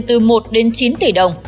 từ một đến chín tỷ đồng